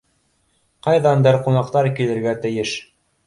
Ҡайҙандыр ҡунаҡтар килергә тейеш.